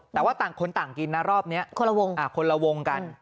แต่ว่าต่างคนต่างกินนะรอบนี้คนละวงคนละวงกัน